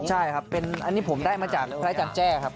ใช่ครับเป็นอันนี้ผมได้มาจากพระอาจารย์แจ้ครับ